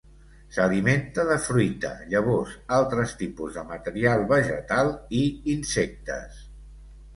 S'alimenta de fruita, llavors, altres tipus de matèria vegetal i insectes.